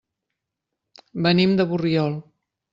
Venim de Borriol.